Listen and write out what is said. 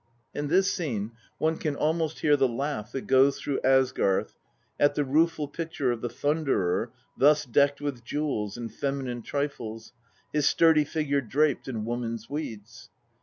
In this scene one can almost hear the laugh that goes through Asgarth at the rueful picture of the Thunderer thus decked with jewels and feminine trifles, his sturdy figure draped in woman's weeds.